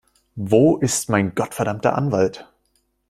Wo ist mein gottverdammter Anwalt?